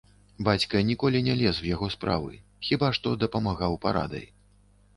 Бацька ніколі не лез у яго справы, хіба што дапамагаў парадай.